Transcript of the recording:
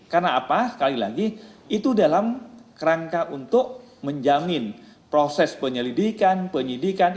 karena apa sekali lagi itu dalam kerangka untuk menjamin proses penyelidikan penyelidikan